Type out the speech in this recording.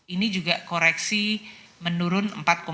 ini juga koreksi menurun empat lima